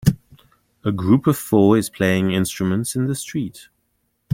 A group of four is playing instruments in the street